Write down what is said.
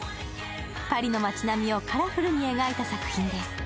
パリの街並みをカラフルに描いた作品です。